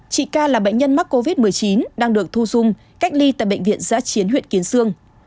chị ca là bệnh nhân mắc covid một mươi chín đang được thu dung cách ly tại bệnh viện giã chiến huyện kiến sương